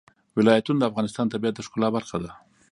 ولایتونه د افغانستان د طبیعت د ښکلا برخه ده.